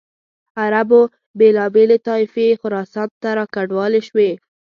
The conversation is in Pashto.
عربو بېلابېلې طایفې خراسان ته را کډوالې شوې.